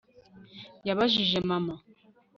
Yabajije mama